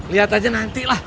liat aja nanti lah